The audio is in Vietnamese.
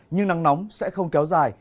nhưng nắng nóng sẽ không kéo dài